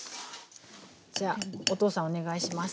じゃお父さんお願いします。